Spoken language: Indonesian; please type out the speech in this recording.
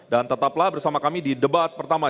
dan tetaplah bersama kami di debat pertama